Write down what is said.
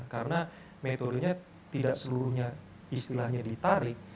karena metodenya tidak seluruhnya istilahnya ditarik